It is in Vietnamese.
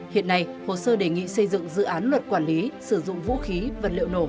hiện nay hồ sơ đề nghị xây dựng dự án luật quản lý sử dụng vũ khí vật liệu nổ